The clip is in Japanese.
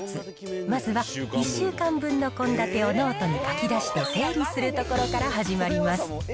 まずは１週間分の献立をノートに書きだして整理するところから始まります。